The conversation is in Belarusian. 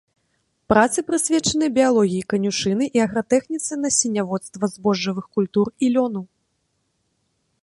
Працы прысвечаны біялогіі канюшыны і агратэхніцы насенняводства збожжавых культур і лёну.